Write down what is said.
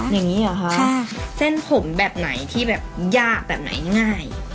อย่างนี้เหรอคะเส้นผมแบบไหนที่แบบยากแบบไหนง่าย